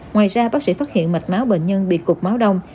ngoài ra bác sĩ phát hiện mạch não bệnh nhân bị cụt máu đông